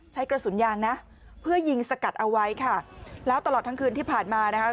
ใช้กระสุนยางนะเพื่อยิงสกัดเอาไว้ค่ะแล้วตลอดทั้งคืนที่ผ่านมานะคะ